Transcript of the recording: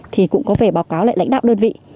thì cũng có phải báo cáo lại lãnh đạo đơn vị